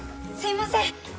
すいません！